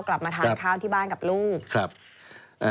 กลับมาทานข้าวที่บ้านกับลูก